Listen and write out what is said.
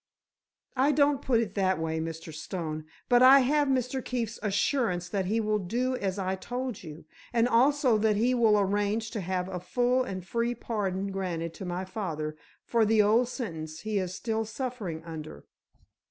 "I don't put it that way, Mr. Stone, but I have Mr. Keefe's assurance that he will do as I told you, and also that he will arrange to have a full and free pardon granted to my father for the old sentence he is still suffering under."